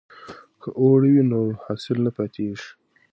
که اوړی وي نو حاصل نه پاتیږي.